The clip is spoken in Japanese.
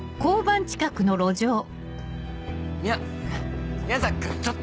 み宮崎君ちょっと。